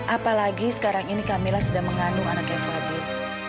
apalagi sekarang ini kamila sudah mengandung anaknya fadil